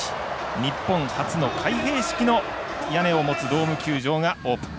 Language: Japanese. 日本初の開閉式の屋根を持つドーム球場がオープン。